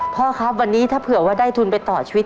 พ่อครับวันนี้ถ้าเผื่อว่าได้ทุนไปต่อชีวิต